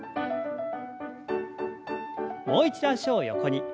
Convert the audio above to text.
もう一度脚を横に。